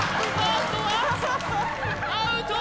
アウト！